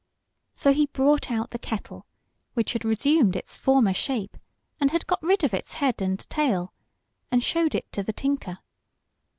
So he brought out the kettle, which had resumed its former shape and had got rid of its head and tail, and showed it to the tinker.